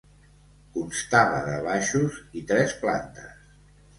Constava de baixos i tres plantes.